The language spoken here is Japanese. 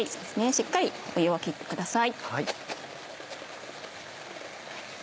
しっかり湯を切ってください。